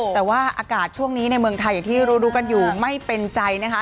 แต่ว่าอากาศช่วงนี้ในเมืองไทยอย่างที่รู้กันอยู่ไม่เป็นใจนะคะ